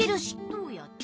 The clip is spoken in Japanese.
どうやって？